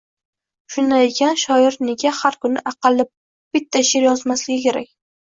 shaunday ekan, shoir nega har kuni aqalli bitta she’r yozmasligi kerak?